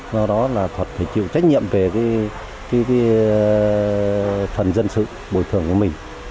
do đó là thật phải chịu trách nhiệm về phần dân sự bồi thường của mình